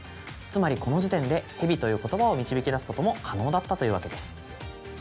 つまりこの時点で「ヘビ」という言葉を導き出すことも可能だったというわけです。